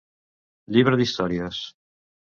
Llibre d'històries